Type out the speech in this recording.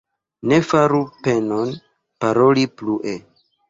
Ne faru la penon, paroli plue.